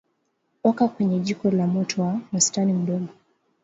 Oka kwenye jiko lenye moto wa wastani mdogo